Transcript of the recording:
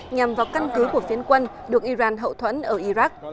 nhằm vào căn cứ của phiến quân được iran hậu thuẫn ở iraq